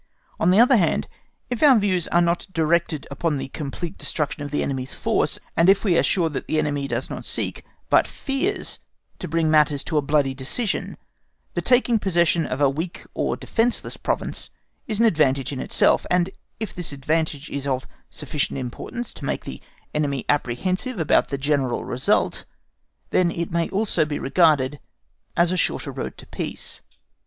On the other hand, if our views are not directed upon the complete destruction of the enemy's force, and if we are sure that the enemy does not seek but fears to bring matters to a bloody decision, the taking possession of a weak or defenceless province is an advantage in itself, and if this advantage is of sufficient importance to make the enemy apprehensive about the general result, then it may also be regarded as a shorter road to peace.